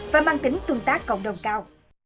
và mang tính tương tác cộng đồng cao